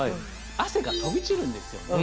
汗が飛び散るんですよね。